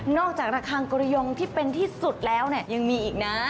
นอกจากตะครางกระโยงที่เป็นที่สุดแล้วยังมีอีกนะ